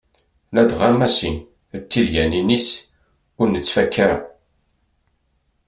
Ladɣa Massi d tedyanin-is ur nettfakka.